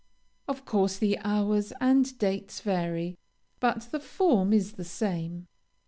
of course the hours and dates vary, but the form is the same.